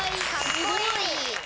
すごい。